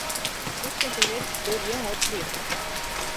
— Кушкын шумек, пӧръеҥ от лий.